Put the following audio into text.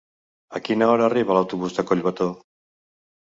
A quina hora arriba l'autobús de Collbató?